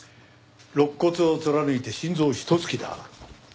肋骨を貫いて心臓をひと突きだ。